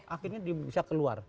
akhirnya bisa keluar